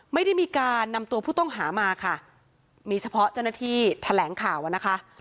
ไม่ได้มีการนำตัวผู้ต้องหามาค่ะมีเฉพาะเจ้าหน้าที่แถลงข่าวอ่ะนะคะ